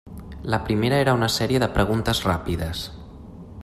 La primera era una sèrie de preguntes ràpides.